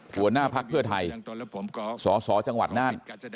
หัวหน้าภักดิ์เพื่อไทยสสจังหวัดน่าน